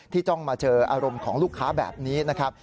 ที่ต้องมาเจออารมณ์ของลูกค้าแบบนี้นะครับ